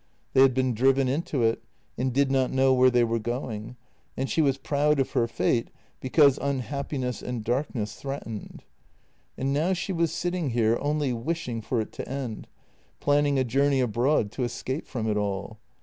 They had been driven into it and did not know where they were going, and she was proud of her fate because unhappiness and darkness threat ened. And now she was sitting here only wishing for it to end, planning a journey abroad to escape from it all.